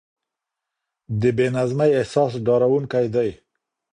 د بې نظمۍ احساس ډارونکی دی.